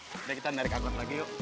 udah kita narik angkot lagi yuk